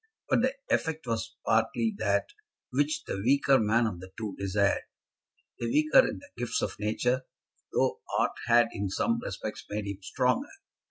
But the effect was partly that which the weaker man of the two desired, the weaker in the gifts of nature, though art had in some respects made him stronger.